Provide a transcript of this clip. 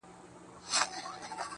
• چي ته نه يې زما په ژونــــد كــــــي.